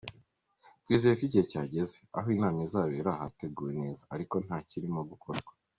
Twizeye ko igihe cyageze, aho inama izabera hateguye neza, ariko nta kirimo gukorwa.